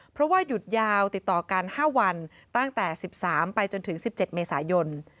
เพราะว่าหยุดยาวติดต่อกัน๕วันตั้งแต่๑๓ไปจนถึง๑๗เมษายน